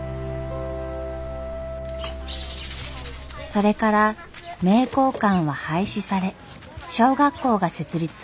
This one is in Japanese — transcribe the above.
それから名教館は廃止され小学校が設立されました。